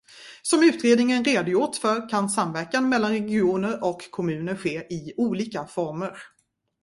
Som utredningen redogjort för kan samverkan mellan regioner och kommuner ske i olika former.